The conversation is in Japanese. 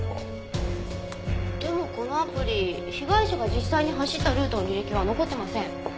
でもこのアプリ被害者が実際に走ったルートの履歴は残ってません。